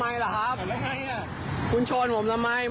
อะไรฮะได้ไงอ่าคุณช่วงผมทำไมมันไฟแดงอยู่